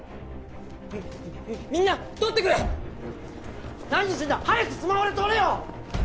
みみんな撮ってくれ何してんだ早くスマホで撮れよ！